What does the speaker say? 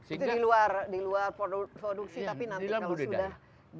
itu di luar produksi tapi nanti kalau dikeluarkan